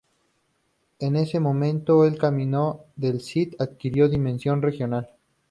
En ese momento, el Camino del Cid adquirió dimensión regional.